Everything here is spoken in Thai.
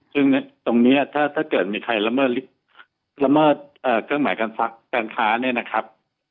ซึ่งตรงนี้ถ้าเกิดมีใครละเมิดเครื่องหมายการฟังค้าการค้า